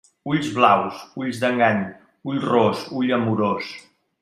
Ulls blaus, ulls d'engany; ull ros, ull amorós.